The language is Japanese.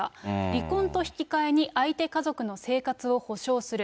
離婚と引き換えに、相手家族の生活を保障する。